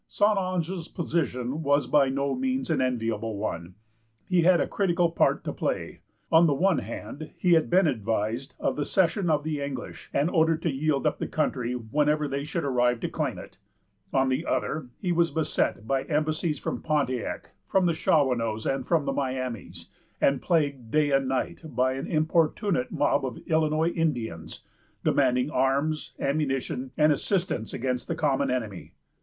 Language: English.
St. Ange's position was by no means an enviable one. He had a critical part to play. On the one hand, he had been advised of the cession to the English, and ordered to yield up the country whenever they should arrive to claim it. On the other, he was beset by embassies from Pontiac, from the Shawanoes, and from the Miamis, and plagued day and night by an importunate mob of Illinois Indians, demanding arms, ammunition, and assistance against the common enemy.